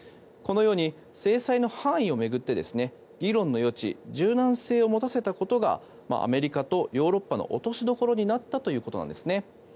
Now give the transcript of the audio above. このように制裁の範囲を巡って議論の余地、柔軟性を持たせたことがアメリカとヨーロッパの落としどころになったということなんですね。